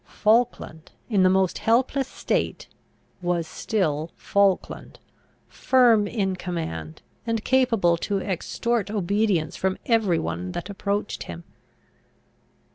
Falkland, in the most helpless state, was still Falkland, firm in command, and capable to extort obedience from every one that approached him.